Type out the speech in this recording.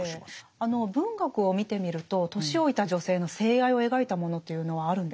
あの文学を見てみると年老いた女性の性愛を描いたものというのはあるんですか？